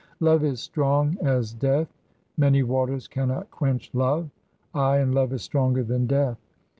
'Love is strong as death; many waters cannot quench love;' ay, and love is stronger than death.